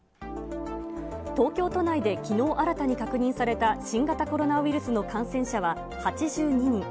東京都内できのう新たに確認された新型コロナウイルスの感染者は８２人。